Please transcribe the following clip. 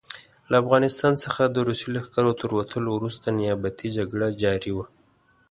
له افغانستان څخه د روسي لښکرو تر وتلو وروسته نیابتي جګړه جاري وه.